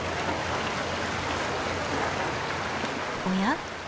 おや？